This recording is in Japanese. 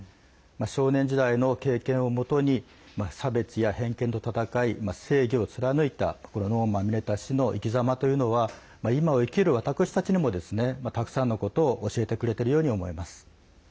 少年時代の経験をもとに差別や偏見と闘い、正義を貫いたノーマン・ミネタ氏の生きざまというのは今を生きる私たちにもたくさんのことを教えてくれているように思えます。